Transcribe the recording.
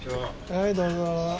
はいどうぞ。